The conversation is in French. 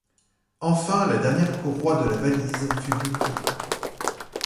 Enfin la dernière courroie de la valise fut bouclée.